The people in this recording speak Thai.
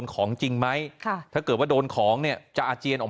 กรรมใจความขังเนี่ยครับ